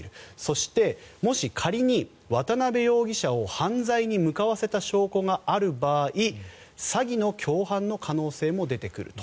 そしてもし仮に渡邊容疑者を犯罪に向かわせた証拠がある場合詐欺の共犯の可能性も出てくると。